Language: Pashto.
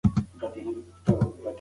که تجربه وي نو ساینس نه زړیږي.